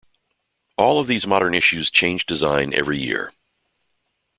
All of these modern issues changed design every year.